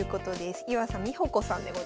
岩佐美帆子さんでございます。